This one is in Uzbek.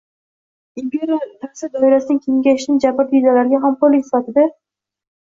imperiya ta’sir doirasining kengayishini – jabrdiydalarga g‘amxo‘rlik sifatida;